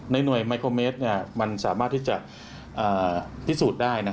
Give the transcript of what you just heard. หน่วยไมโครเมสมันสามารถที่จะพิสูจน์ได้